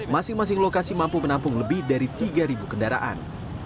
masing masing lokasi mampu menampung lebih dari tiga kendaraan